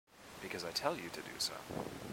Because I tell you to do so.